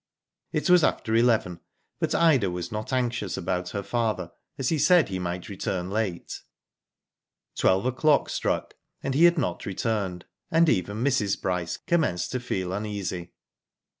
It was after eleven, but Ida was not anxious about her father as he said he might return late. Twelve o'clock struck and he had not returned, and even Mrs. Bryce commenced to feel uneasy.